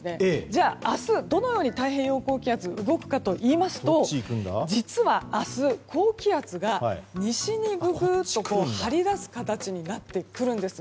じゃあ明日、どのように太平洋高気圧が動くかというと実は明日、高気圧が西に張り出す形になってきます。